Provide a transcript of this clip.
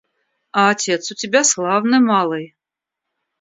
А отец у тебя славный малый.